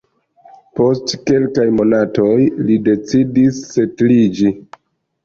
Post kelkaj monatoj li decidis setliĝi.